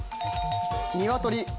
ニワトリ。